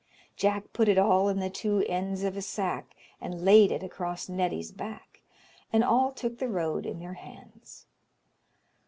Jack put it all in the two ends of a sack and laid it across Neddy's back, and all took the road in their hands.